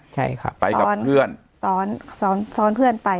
ใช่ค่ะไปกับเพื่อนซ้อนซ้อนเพื่อนไป